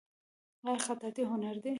آیا خطاطي هنر دی؟